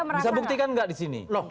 bisa buktikan nggak di sini